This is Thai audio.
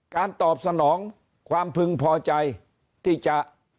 ตอบสนองความพึงพอใจที่จะ